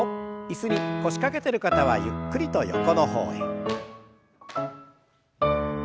椅子に腰掛けてる方はゆっくりと横の方へ。